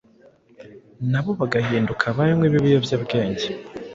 na bo bagahinduka abanywi b’ibiyobyabwenge.